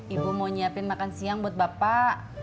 ibu mau nyiapin makan siang buat bapak